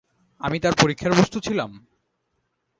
আমি তার পরীক্ষার বস্তু ছিলাম?